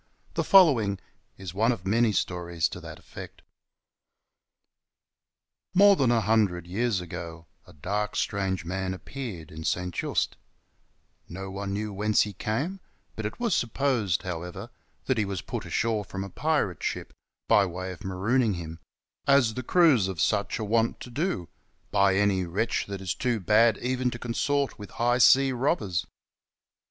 The following is one of many stories to that effect. _ More than a hundred years ago a dark strange man appeared in St. Just ; no one knew whence he came, but it was sup)posed, however, that he was put ashore from a pirate ship, by way of marooning him ; as the crews of such are wont to do by any wretch that is too bad even to consort with high sea robbers.